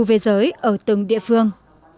về giới ở từng địa phương